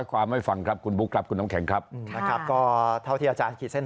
ความให้ฟังครับกูน้องแข็งครับครับก็เท่าที่อาจารย์ขีดเส้น